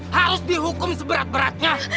harus dihukum seberat beratnya